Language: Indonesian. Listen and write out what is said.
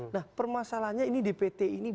nah permasalahannya ini dpt ini